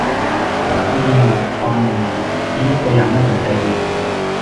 มีอยู่ตอนหนึ่งที่ยกตัวอย่างน่าสนใจดี